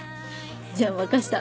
じゃあ任せた。